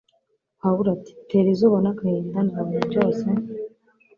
Paul ati: 'Tera izuba n'agahinda, nabonye byose ...